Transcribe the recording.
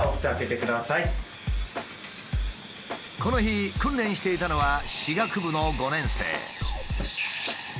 この日訓練していたのは歯学部の５年生。